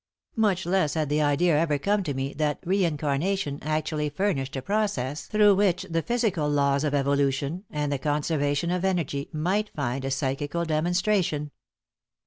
Much less had the idea ever come to me that reincarnation actually furnished a process through which the physical laws of evolution and the conservation of energy might find a psychical demonstration.